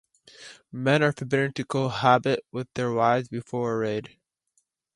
Men are forbidden to cohabit with their wives before a raid.